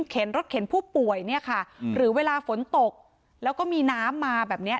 เข็นรถเข็นผู้ป่วยเนี่ยค่ะหรือเวลาฝนตกแล้วก็มีน้ำมาแบบเนี้ย